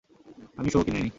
আমি শো কিনি নি।